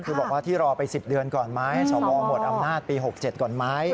คือบอกว่าที่รอไป๑๐เดือนก่อนไหมสวหมดอำนาจปี๖๗ก่อนไหม